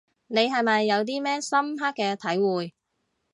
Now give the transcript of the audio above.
你係咪有啲咩深刻嘅體會